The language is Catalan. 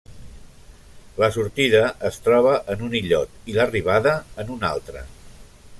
La sortida es troba en un illot i l'arribada en un altre.